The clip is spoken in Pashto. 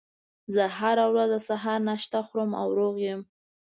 زه هره ورځ د سهار ناشته خورم او روغ یم